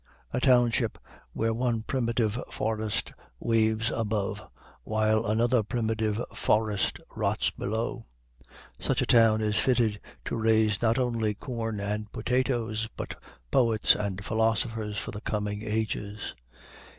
A township where one primitive forest waves above, while another primitive forest rots below, such a town is fitted to raise not only corn and potatoes, but poets and philosophers for the coming ages.